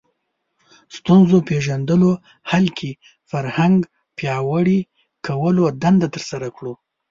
ستونزو پېژندلو حل کې فرهنګ پیاوړي کولو دنده ترسره کړو